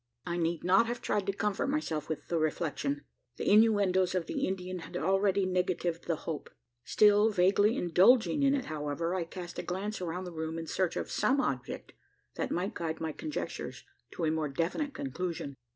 I need not have tried to comfort myself with the reflection. The innuendoes of the Indian had already negatived the hope. Still vaguely indulging in it, however, I cast a glance around the room in search of some object that might guide my conjectures to a more definite conclusion.